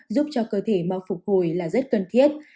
giúp cho cơ thể mau phục hồi là rất cần thiết